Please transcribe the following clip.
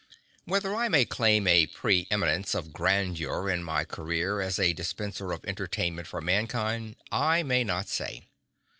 Whether I may claim a pre eminence of grandeur in my career as a dispenser of entertainment for mankind, I may not say.